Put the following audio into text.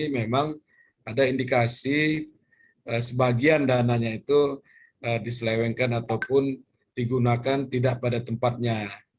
memang ada indikasi sebagian dananya itu diselewengkan ataupun digunakan tidak pada tempatnya